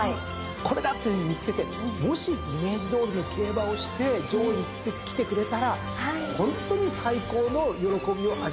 これだっていうふうに見つけてもしイメージ通りの競馬をして上位にきてくれたらホントに最高の喜びを味わえる。